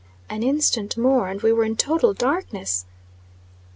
An instant more, and we were in total darkness.